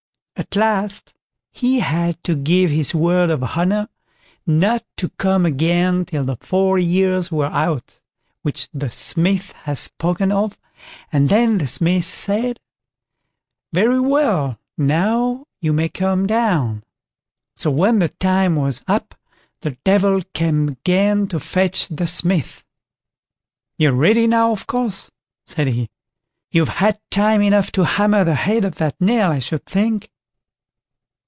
At last he had to give his word of honour not to come again till the four years were out, which the Smith had spoken of, and then the Smith said, "Very well, now you may come down." So when the time was up, the Devil came again to fetch the Smith. "You're ready now, of course", said he; "you've had time enough to hammer the head of that nail, I should think."